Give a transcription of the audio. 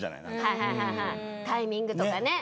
はいはいはいはいタイミングとかね。